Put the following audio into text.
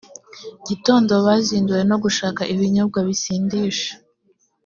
gitondo bazinduwe no gushaka ibinyobwa bisindisha